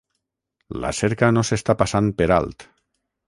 La cerca no s'està passant per alt.